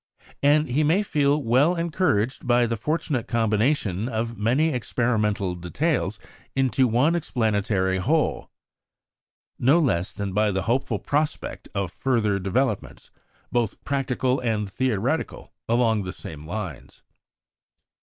And he may well feel encouraged by the fortunate combination of many experimental details into one explanatory whole, no less than by the hopeful prospect of further developments, both practical and theoretical, along the same lines.